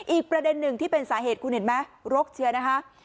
อีกประเด็นหนึ่งที่เป็นสาเหตุคุณเห็นไหมรกเชียร์นะคะ